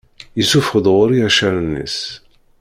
Yessufeɣ-d ɣur-i accaren-is.